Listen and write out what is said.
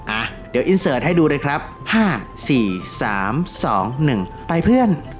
อ่ะเดี๋ยวให้ดูเลยครับห้าสี่สามสองหนึ่งไปเพื่อน